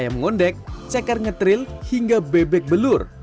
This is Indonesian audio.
sambal ngondek cekar ngetril hingga bebek belur